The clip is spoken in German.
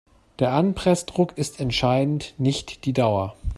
Der Anpressdruck ist entscheidend, nicht die Dauer.